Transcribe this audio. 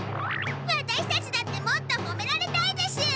ワタシたちだってもっとほめられたいでしゅ！